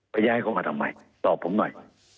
ย้ายเขามาทำไมตอบผมหน่อย